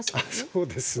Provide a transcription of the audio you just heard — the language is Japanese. そうですね。